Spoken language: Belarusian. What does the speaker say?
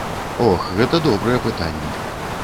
Ох, гэта добрае пытанне.